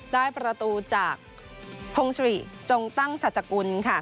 ได้ประตูจากพงศิริจงตั้งสัจกุลค่ะ